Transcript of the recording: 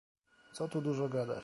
"Co tu dużo gadać."